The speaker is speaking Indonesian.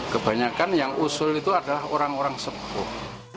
kebanyakan yang usul itu adalah orang orang sepuh